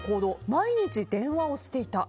毎日電話をしていた。